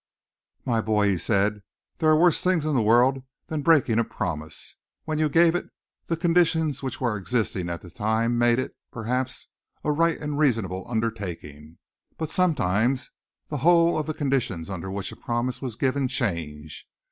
"My boy," he said, "there are worse things in the world than breaking a promise. When you gave it, the conditions which were existing at the time made it, perhaps, a right and reasonable undertaking, but sometimes the whole of the conditions under which a promise was given, change.